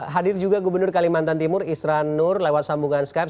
hadir juga gubernur kalimantan timur isran nur lewat sambungan skype